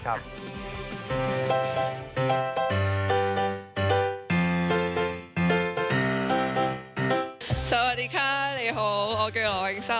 สวัสดีค่ะเรฮอลโอเกย์รอเวงแซม